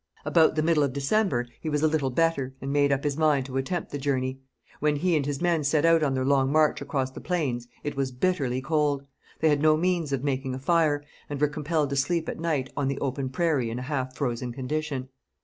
About the middle of December he was a little better, and made up his mind to attempt the journey. When he and his men set out on their long march across the plains, it was bitterly cold. They had no means of making a fire, and were compelled to sleep at night on the open prairie in a half frozen condition.